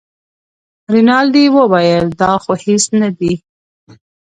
رینالډي وویل دا خو هېڅ نه دي.